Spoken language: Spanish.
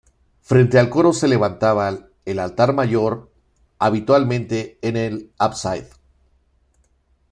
Frente al coro se levantaba el altar mayor, habitualmente en el ábside.